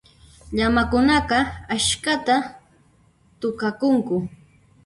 Llamakunaqa askhata thuqakunku.